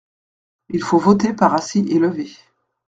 Il faut voter par assis et levé.